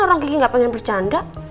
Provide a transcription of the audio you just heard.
orang kaya gak pengen bercanda